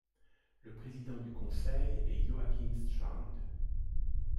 Le président du conseil est Joakim Strand.